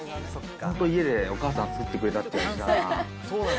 本当、家でお母さんが作ってくれたって味だな。